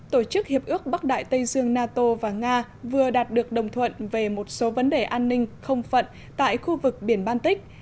tổ chức hiệp ước bắc đại tây dương nato và nga vừa đạt được đồng thuận về một số vấn đề an ninh không phận tại khu vực biển baltic